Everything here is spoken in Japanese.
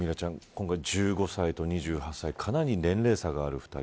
今回１５歳と２８歳かなり年齢差がある２人。